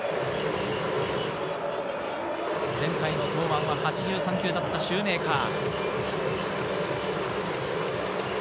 前回の登板は８３球だったシューメーカー。